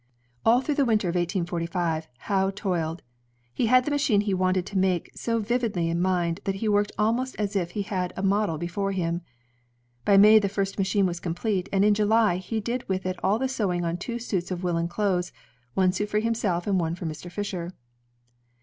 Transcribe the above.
All through the winter of 1845, Howe toiled. He had the machine he wanted to make so vividly in mind that he worked almost as if he had a model before him. By May the first machine was complete, and in July he did with it all the sewing on two suits of woolen clothes, one suit for himself and one for Mr. Fisher.